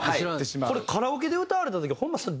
これカラオケで歌われた時本間さん